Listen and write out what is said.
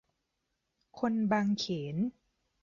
คนบางเขน